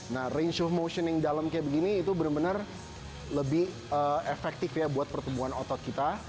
nah range show motion yang dalam kayak begini itu benar benar lebih efektif ya buat pertumbuhan otot kita